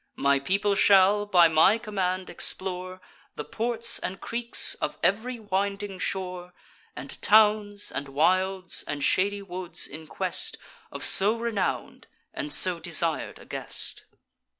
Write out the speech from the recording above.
My people shall, by my command, explore The ports and creeks of ev'ry winding shore, And towns, and wilds, and shady woods, in quest Of so renown'd and so desir'd a guest."